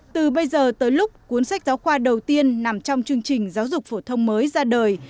từ bây giờ tới lúc cuốn sách giáo khoa đầu tiên nằm trong chương trình giáo dục phổ thông mới ra đời